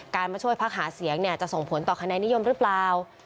มาช่วยพักหาเสียงจะส่งผลต่อคะแนนนิยมหรือเปล่า